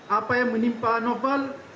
apa yang menimpa novel